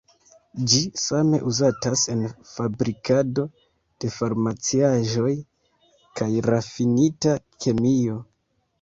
Ĝi same uzatas en fabrikado de farmaciaĵoj kaj rafinita kemio.